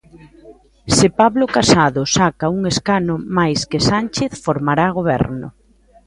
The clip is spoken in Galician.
Se Pablo Casado saca un escano máis que Sánchez, formará goberno.